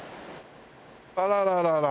あらららら。